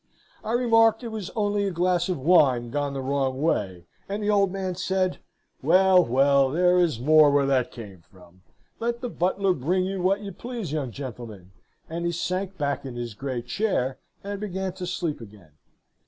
"I remarked it was only a glass of wine gone the wrong way and the old man said; 'Well, well, there is more where that came from! Let the butler bring you what you please, young gentlemen!' and he sank back in his great chair, and began to sleep again.